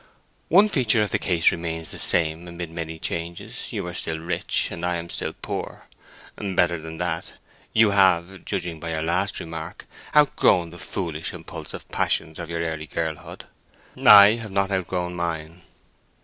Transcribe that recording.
One feature of the case remains the same amid many changes. You are still rich, and I am still poor. Better than that, you have (judging by your last remark) outgrown the foolish, impulsive passions of your early girl hood. I have not outgrown mine."